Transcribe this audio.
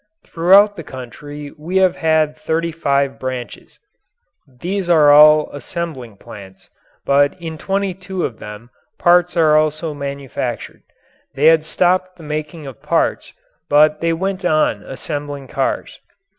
Throughout the country we have thirty five branches. These are all assembling plants, but in twenty two of them parts are also manufactured. They had stopped the making of parts but they went on assembling cars.